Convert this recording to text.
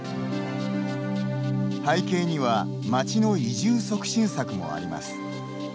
背景には町の移住促進策もあります。